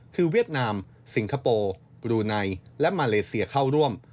คือเวียดนามสิงคโปร์บรูไนและมาเลเซียเข้าร่วม